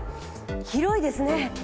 広いですね。